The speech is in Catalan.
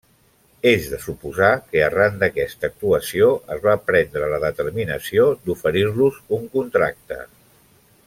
És de suposar que arran d'aquesta actuació es va prendre la determinació d'oferir-los un contracte.